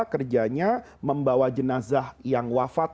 kerjanya membawa jenazah yang wafat